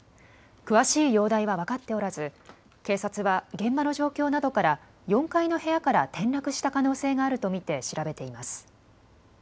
詳しい容体は分かっておらず警察は現場の状況などから４階の部屋から転落した可能性があると見て調べています。